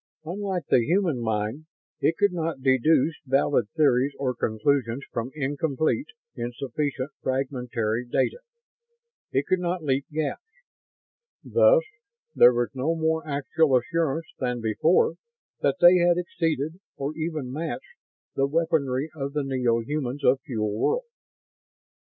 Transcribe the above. Unlike the human mind, it could not deduce valid theories or conclusions from incomplete, insufficient, fragmentary data. It could not leap gaps. Thus there was no more actual assurance than before that they had exceeded, or even matched, the weaponry of the neo humans of Fuel World.